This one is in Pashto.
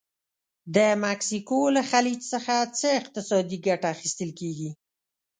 د مکسیکو له خلیج څخه څه اقتصادي ګټه اخیستل کیږي؟